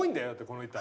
この板。